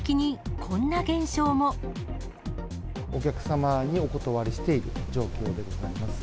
お客様にお断りしている状況でございます。